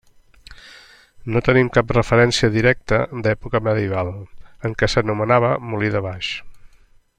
No en tenim cap referència directa d'època medieval, en què s'anomenava molí de Baix.